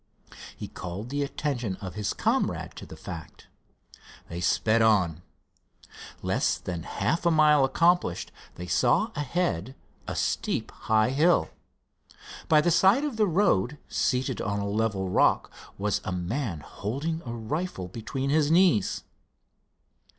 He called the attention of his comrade to the fact. They sped on. Less than half a mile accomplished, they saw ahead a steep, high hill. By the side of the road, seated on a level rock, was a man holding a rifle between his knees.